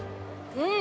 うん！